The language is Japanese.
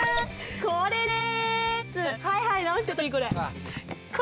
これです！